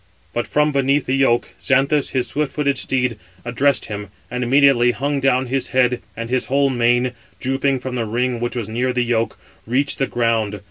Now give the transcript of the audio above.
But from beneath the yoke, Xanthus, his swift footed steed, addressed him, and immediately hung down his head, and his whole mane, drooping from the ring which was near the yoke, reached the ground.